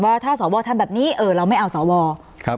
ว่าถ้าสอวอลทำแบบนี้เราไม่เอาสอวอล